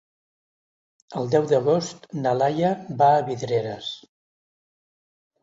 El deu d'agost na Laia va a Vidreres.